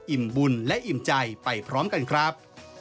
บุญและอิ่มใจไปพร้อมกันครับ